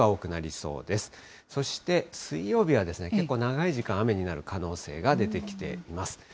そして水曜日はけっこう長い時間、雨になる可能性が出てきています。